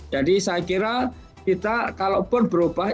jadi saya kira kita kalaupun berubah